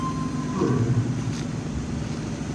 ПщӀэжрэ?